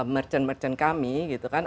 merchant merchant kami gitu kan